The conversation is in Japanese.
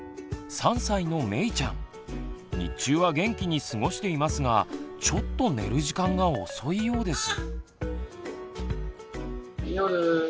３歳のめいちゃん日中は元気に過ごしていますがちょっと寝る時間が遅いようです。